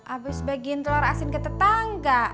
abis bagiin telur asin ke tetangga